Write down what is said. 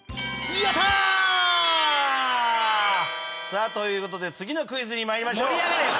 さあという事で次のクイズにまいりましょう。